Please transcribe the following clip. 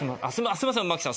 すいません摩季さん